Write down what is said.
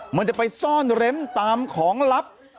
มันจะไปซ่อนเร้นตามของลับ